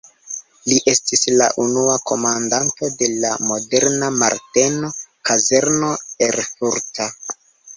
Li estis la unua komandanto de la moderna Marteno-kazerno erfurta.